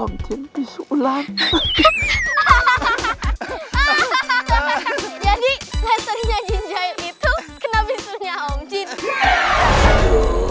omjil bisul ular hahaha hahaha jadi ngetiknya jinjail itu kenapa istrinya omjil